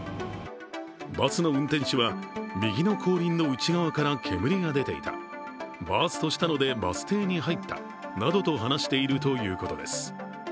バスの運転手は、右の後輪の内側から煙が出ていた、バーストしたのでバス停に入ったなどと話しているということです。